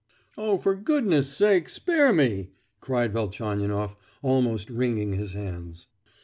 "Oh, for goodness sake, spare me!" cried Velchaninoff, almost wringing his hands.